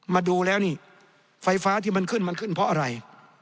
มาดูแล้วนี่ไฟฟ้าที่มันขึ้นมันขึ้นเพราะอะไร